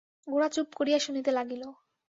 গোরা চুপ করিয়া শুনিতে লাগিল।